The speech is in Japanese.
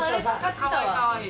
かわいいかわいい。